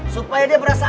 supaya dia berasa aman